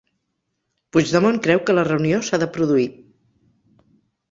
Puigdemont creu que la reunió s'ha de produir